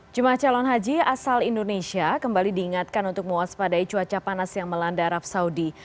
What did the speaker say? jemaah calon haji asal indonesia kembali diingatkan untuk mewaspadai cuaca panas yang melanda arab saudi